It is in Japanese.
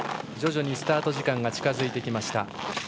徐々にスタート時間が近づいてきました。